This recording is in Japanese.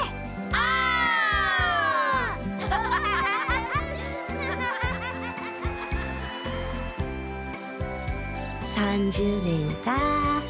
オッ！３０年かあ。